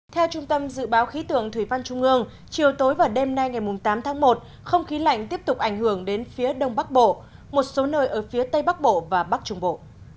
theo trung tâm dự báo khí tượng thủy văn trung ương chiều tối và đêm nay ngày tám tháng một không khí lạnh tiếp tục ảnh hưởng đến phía đông bắc bộ một số nơi ở phía tây bắc bộ và bắc trung bộ